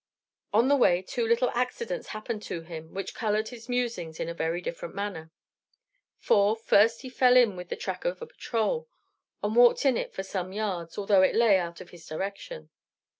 On the way, two little accidents happened to him which colored his musings in a very different manner. For, first, he fell in with the track of a patrol, and walked in it for some yards, although it lay out of his direction.